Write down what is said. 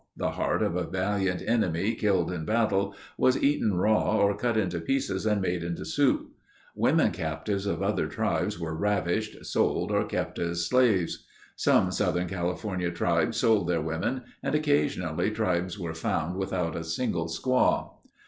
The heart of a valiant enemy killed in battle was eaten raw or cut into pieces and made into soup. Women captives of other tribes were ravished, sold or kept as slaves. Some Southern California tribes sold their women and occasionally tribes were found without a single squaw.